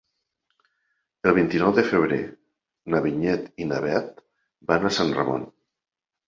El vint-i-nou de febrer na Vinyet i na Bet van a Sant Ramon.